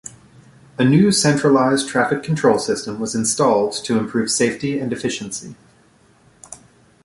A new Centralized Traffic Control system was installed to improve safety and efficiency.